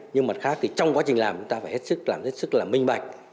nhưng mặt khác thì trong quá trình làm chúng ta phải hết sức làm hết sức là minh bạch